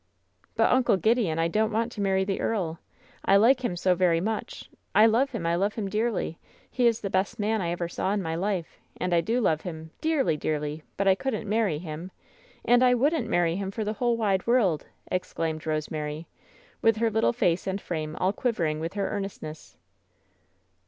"But, Uncle Gideon, I don't want to marry the earl ! I like him so very much! I love him — I love him dearly I He is the best man I ever saw in my life 1 And I do love him dearly, dearly; but I couldn't marry him, and I wouldn't marry him for the whole wide world!" ex so WHEN SHADOWS DIE claimed Bosemary, with her little face and frame all quivering with her earnestness.